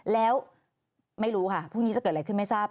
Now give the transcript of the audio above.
แล้วไม่รู้ค่ะพรุ่งนี้จะเกิดอะไรขึ้นไม่ทราบ